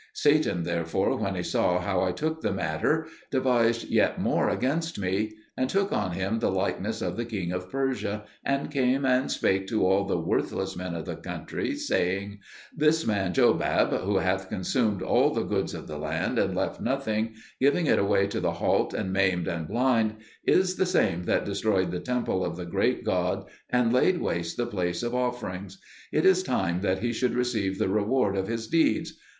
Satan therefore, when he saw how I took the matter, devised yet more against me, and took on him the likeness of the King of Persia, and came and spake to all the worthless men of the country, saying, "This man Jobab, who hath consumed all the good of the land, and left nothing, giving it away to the halt, and maimed, and blind, is the same that destroyed the temple of the great god and laid waste the place of offerings. It is time that he should receive the reward of his deeds.